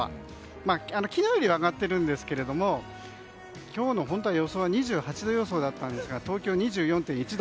昨日よりは上がっているんですが今日の予想は本当は２８度予想だったんですが東京は２４．１度。